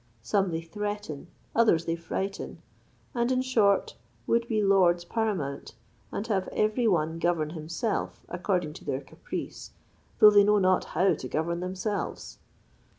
Some they threaten, others they frighten; and, in short, would be lords paramount, and have every one govern himself according to their caprice, though they know not how to govern themselves.